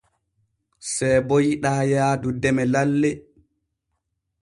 Seebo yiɗaa yaadu deme lalle.